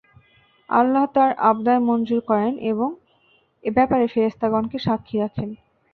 আল্লাহ তার আবদার মঞ্জুর করেন এবং এ ব্যাপারে ফেরেশতাগণকে সাক্ষী রাখেন।